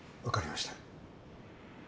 分かりました。